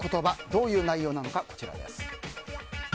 どういう内容なのか、こちらです。